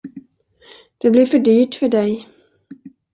Det blir för dyrt för dig.